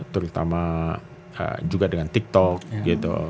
terutama juga dengan tiktok gitu